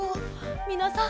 みなさん